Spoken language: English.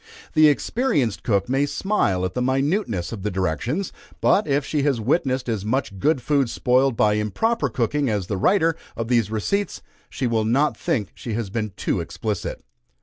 The experienced cook may smile at the minuteness of the directions; but, if she has witnessed as much good food spoiled by improper cooking as the writer of these receipts, she will not think she has been too explicit.